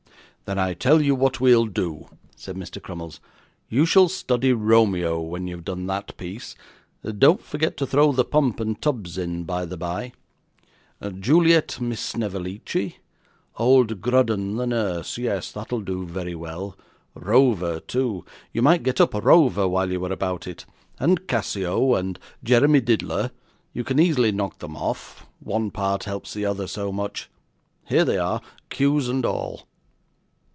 'Then I'll tell you what we'll do,' said Mr. Crummles. 'You shall study Romeo when you've done that piece don't forget to throw the pump and tubs in by the bye Juliet Miss Snevellicci, old Grudden the nurse. Yes, that'll do very well. Rover too; you might get up Rover while you were about it, and Cassio, and Jeremy Diddler. You can easily knock them off; one part helps the other so much. Here they are, cues and all.